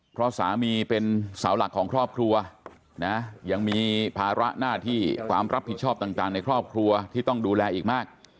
เพราะสามีเป็นเสาหลักของครอบครัวนะยังมีภาระหน้าที่ความรับผิดชอบต่างในครอบครัวที่ต้องดูแลอีกมาก